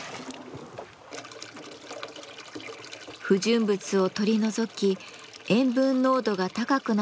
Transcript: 不純物を取り除き塩分濃度が高くなった海水を抽出します。